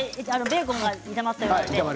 ベーコンが炒まっていますね。